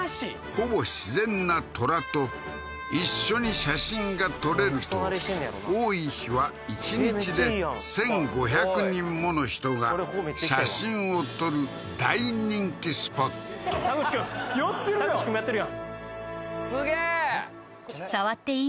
ほぼ自然なトラと一緒に写真が撮れると多い日は１日で１５００人もの人が写真を撮る大人気スポット田口君田口君もやってるやんすげえ！